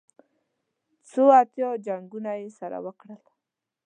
څو اتیا جنګونه یې سره وکړل.